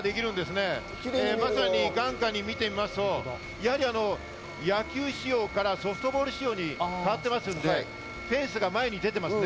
今まさに眼下に見てみますと野球仕様からソフトボール仕様になっていますので、フェンスが前に出ていますね。